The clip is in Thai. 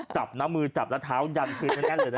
จับน้ำมือจับแล้วเท้ายันคืนให้แน่นเลยนะ